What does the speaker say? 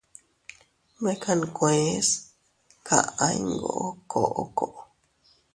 Mekan nkuees kaʼa iyngoo koʼko.